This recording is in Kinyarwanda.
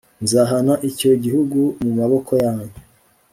nzahana icyo gihugu mu maboko yabo